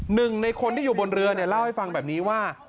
หนึ่งในคนที่อยู่บนเรือเนี่ยเล่าให้ฟังแบบนี้ว่า